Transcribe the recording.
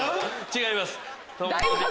違います。